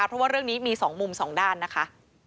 เพราะว่าเรื่องนี้มี๒มุม๒ด้านนะคะ